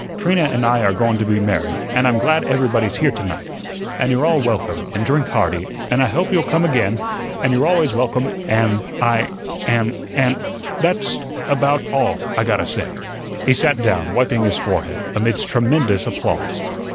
Trina and I are goin' to be married, an' I'm glad everybody's here to night, an' you're all welcome, an' drink hearty, an' I hope you'll come again, an' you're always welcome an' I an' an' That's about all I gotta say." He sat down, wiping his forehead, amidst tremendous applause.